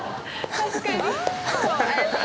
確かに。